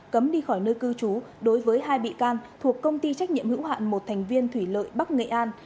cấm đi khỏi nơi cư trú đối với hai bị can thuộc công ty trách nhiệm hữu hạn một thành viên thủy lợi bắc nghệ an